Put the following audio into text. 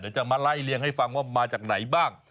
จะมาไล่เลี่ยงให้ฟังว่ามาจากไหนบ้าง